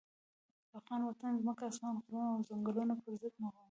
د افغان وطن ځمکه، اسمان، غرونه او ځنګلونه پر ضد مقاومت کوي.